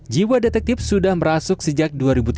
jiwa detektif sudah merasuk sejak dua ribu tiga